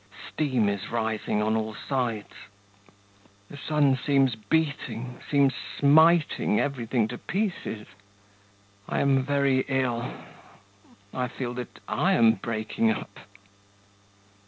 Steam is rising on all sides. The sun seems beating, seems smiting everything to pieces. I am very ill, I feel that I am breaking up.